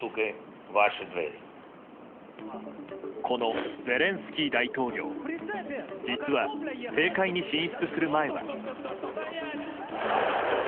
このゼレンスキー大統領実は、政界に進出する前は。